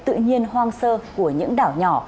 tự nhiên hoang sơ của những đảo nhỏ